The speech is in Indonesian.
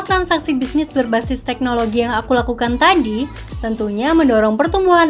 transaksi bisnis berbasis teknologi yang aku lakukan tadi tentunya mendorong pertumbuhan